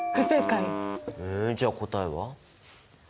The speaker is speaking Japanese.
えじゃあ答えは？